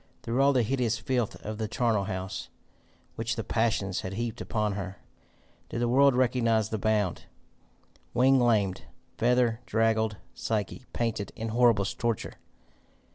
Through all the hideous filth of the charnel house, which the passions had heaped upon her, did the Word recognise the bound, wing lamed, feather draggled Psyche, panting in horriblest torture?